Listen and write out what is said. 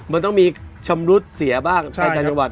มันต้องมีชำรุดเสียบ้างในต่างจังหวัด